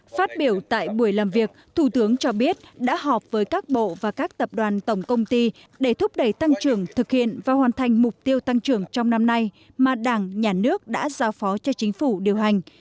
phát biểu tại buổi làm việc thủ tướng cho biết đã họp với các bộ và các tập đoàn tổng công ty để thúc đẩy tăng trưởng thực hiện và hoàn thành mục tiêu tăng trưởng trong năm nay mà đảng nhà nước đã giao phó cho chính phủ điều hành